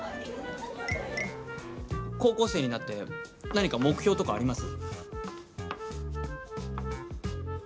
高校生になって何か目標とかあります？